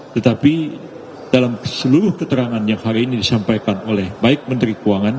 tetapi dalam seluruh keterangan yang hari ini disampaikan oleh baik menteri keuangan